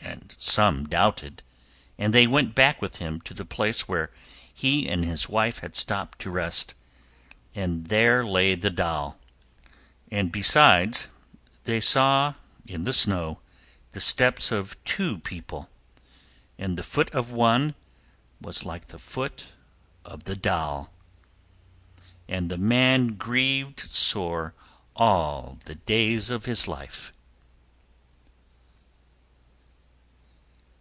And some doubted, and they went back with him to the place where he and his wife had stopped to rest, and there lay the doll, and besides, they saw in time snow the steps of two people, and the foot of one was like the foot of the doll. And the man grieved sore all the days of his life.